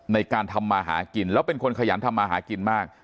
ในการทำมาหากินแล้วเป็นคนขยันทำมาหากินมาก